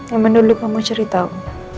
emang dulu kamu ceritamu